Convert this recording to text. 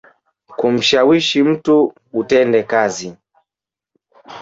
Kumshawishi mtu utende kazi.